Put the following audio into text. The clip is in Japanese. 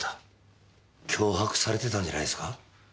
脅迫されてたんじゃないですか？